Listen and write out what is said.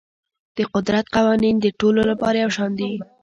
د قدرت قوانین د ټولو لپاره یو شان دي.